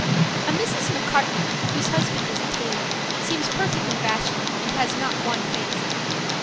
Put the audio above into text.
A Mrs. McCartney, whose husband is a tailor, seems perfectly rational and has not one fancy.